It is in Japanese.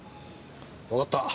わかった。